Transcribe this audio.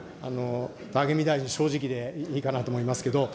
武見大臣、正直でいいかなと思いますけれども。